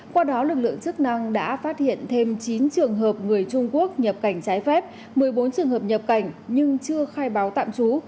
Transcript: qua đó lực lượng chức năng đã phát hiện thêm chín trường hợp người trung quốc nhập cảnh trái phép một mươi bốn trường hợp nhập cảnh nhưng chưa khai báo tạm trú